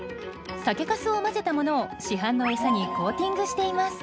酒かすを混ぜたものを市販の餌にコーティングしています。